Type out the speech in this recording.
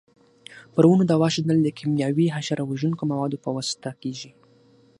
پر ونو دوا شیندل د کېمیاوي حشره وژونکو موادو په واسطه کېږي.